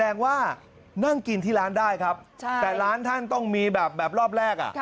ว่านั่งกินที่ร้านได้ครับแต่ร้านท่านต้องมีแบบรอบแรกอ่ะ